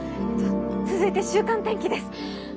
続いて週間天気です。